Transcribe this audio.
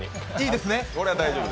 これは大丈夫。